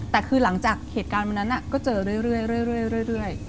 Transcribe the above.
แต่คือหลังจากเหตุการณ์วันนั้นก็เจอเรื่อย